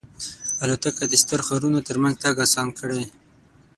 الوتکه د ستر ښارونو ترمنځ تګ آسان کړی.